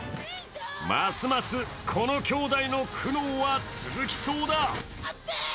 ますますこの兄弟の苦悩は続きそうだ。